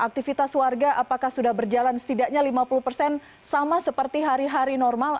aktivitas warga apakah sudah berjalan setidaknya lima puluh persen sama seperti hari hari normal